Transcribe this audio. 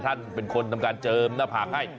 ท่านเป็นคนทำการเจอภาพให้